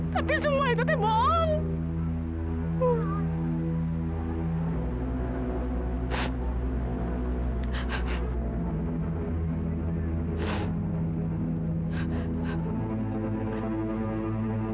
tapi semua itu tebong